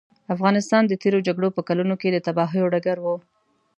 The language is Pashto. افغانستان د تېرو جګړو په کلونو کې د تباهیو ډګر و.